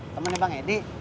temennya bang edi